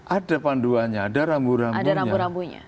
ada panduannya ada rambu rambunya